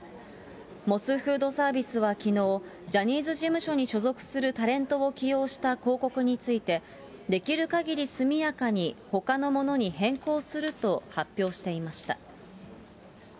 モスフードサービスはきのう、ジャニーズ事務所に所属するタレントを起用した広告について、できるかぎり速やかにほかのものに変更すると発表していました。